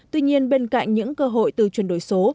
tuy nhiên bên cạnh những cơ hội từ chuyển đổi số